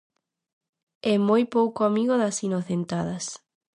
É moi pouco amigo das inocentadas.